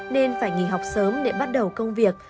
nên phải nghỉ học sớm để bắt đầu công việc